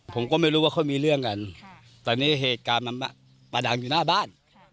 ผมก็ไม่รู้ว่าเขามีเรื่องกันตอนนี้เหตุการณ์มันประดังอยู่หน้าบ้าน